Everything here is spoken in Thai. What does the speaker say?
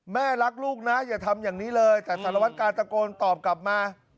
แม่รักลูกนะอย่าทำอย่างนี้เลยแต่สารวัตกาตะโกนตอบกลับมา